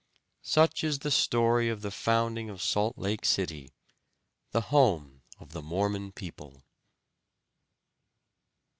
Such is the story of the founding of Salt Lake City, the home of the Mormon people.